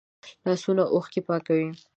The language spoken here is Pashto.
لاسونه اوښکې پاکوي